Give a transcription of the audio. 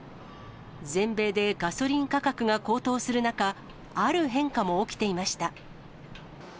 全米でガソリン価格が高騰する中、ある変化も起きていました。